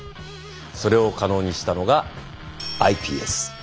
それを可能にしたのがｉＰＳ。